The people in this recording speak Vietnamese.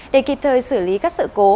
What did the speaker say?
để kịp thời xử lý các sự cố